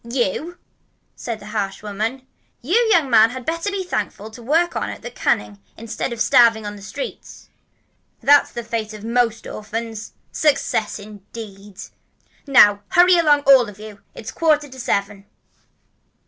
"You!" said the harsh woman. "You, young man, had better be thankful to work on at the canning instead of starving in the streets. That's the fate of most orphans. Success indeed! Now hurry along, all of you. It's quarter to seven."